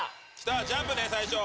ジャンプね最初。